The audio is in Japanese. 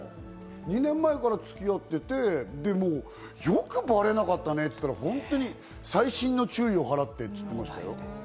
２年前から付き合ってて、よくバレなかったねって言ったら、細心の注意を払ってって言ってました。